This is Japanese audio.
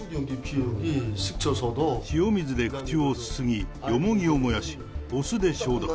塩水で口をすすぎ、ヨモギを燃やし、お酢で消毒。